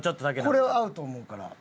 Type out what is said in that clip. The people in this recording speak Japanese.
これは合うと思うから。